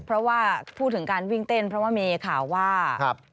พูดถึงการวิ่งเต้นเพราะว่ามีข่าวว่า